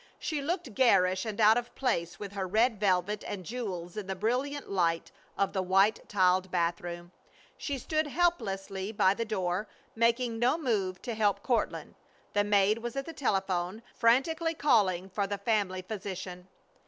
She looked garish and out of place with her red velvet and jewels in the brilliant light of the white tiled bathroom. She stood helplessly by the door, making no move to help Courtland. The maid was at the telephone, frantically calling for the family physician.